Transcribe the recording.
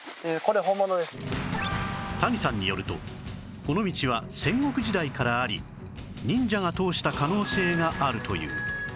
谷さんによるとこの道は戦国時代からあり忍者が通した可能性があるという